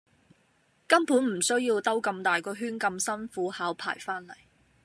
根本唔需要兜咁大個圈咁辛苦考牌番黎